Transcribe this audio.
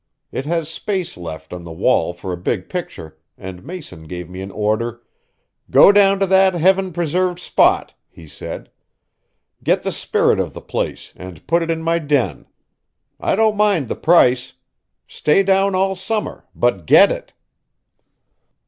It has space left on the wall for a big picture, and Mason gave me an order. 'Go down to that heaven preserved spot,' he said, 'get the spirit of the place, and put it in my den. I don't mind the price. Stay down all summer, but get it!'"